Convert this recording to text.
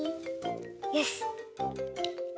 よし！